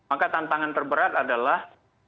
itu yang sangat mudah